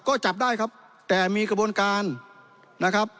ก็จับได้ครับแต่มีกระบวนการนะครับ